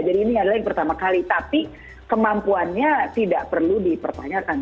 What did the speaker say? jadi ini adalah yang pertama kali tapi kemampuannya tidak perlu dipertanyakan